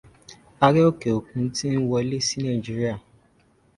Ará òkè òkun tí ń wọlé sí Nàíjíríà.